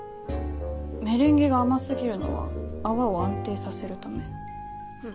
メレンゲが甘過ぎるのは泡を安定させるため。